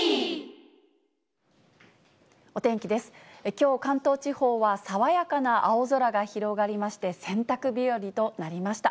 きょう、関東地方は爽やかな青空が広がりまして、洗濯日和となりました。